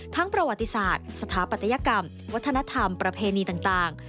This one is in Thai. ประวัติศาสตร์สถาปัตยกรรมวัฒนธรรมประเพณีต่าง